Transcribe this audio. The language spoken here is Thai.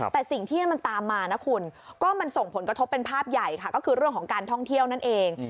แต่สิ่งที่มันตามมานะคุณก็มันส่งผลกระทบเป็นภาพใหญ่ค่ะก็คือเรื่องของการท่องเที่ยวนั่นเอง